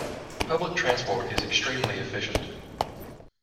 Public transport is extremely efficient.